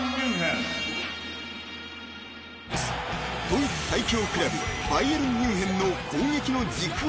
［ドイツ最強クラブバイエルン・ミュンヘンの攻撃の軸を担う１９歳］